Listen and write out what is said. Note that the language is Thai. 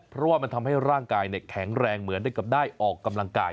เพราะว่ามันทำให้ร่างกายแข็งแรงเหมือนได้กับได้ออกกำลังกาย